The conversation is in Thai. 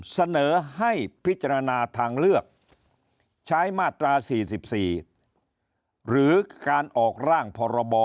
เสนอให้พิจารณาทางเลือกใช้มาตรา๔๔หรือการออกร่างพรบ